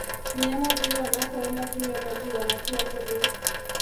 Mnyama huyo anapoenda kunywa maji wanakuwa kundi